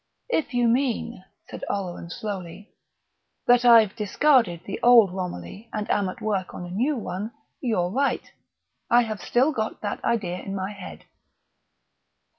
"If you mean," said Oleron slowly, "that I've discarded the old Romilly, and am at work on a new one, you're right. I have still got that idea in my head."